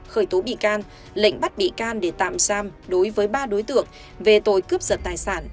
khởi tố bị can lệnh bắt bị can để tạm giam đối với ba đối tượng về tội cướp giật tài sản